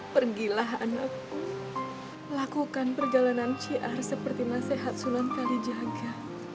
pergilah anakku lakukan perjalanan siar seperti nasihat sunan kalijaga